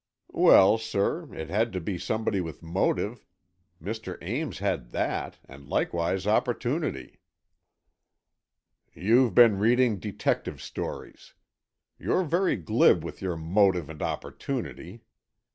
"Well, sir, it had to be somebody with motive. Mr. Ames had that, and likewise opportunity." "You've been reading detective stories. You're very glib with your 'motive and opportunity'!